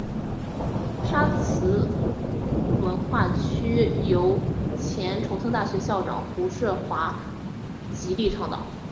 沙磁文化区由前重庆大学校长胡庶华极力倡导。